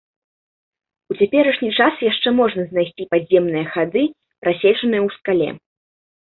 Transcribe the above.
У цяперашні час яшчэ можна знайсці падземныя хады, прасечаныя ў скале.